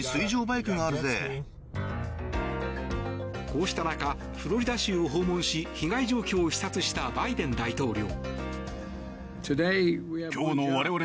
こうした中フロリダ州を訪問し被害状況を視察したバイデン大統領。